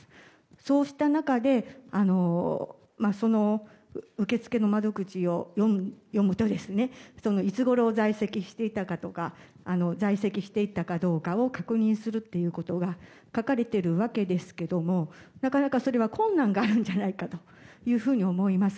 そうした中で受付の窓口を読むといつごろ在籍していたかとか在籍していたかどうかを確認するということが書かれているわけですけどもなかなか、それは困難があるんじゃないかと思います。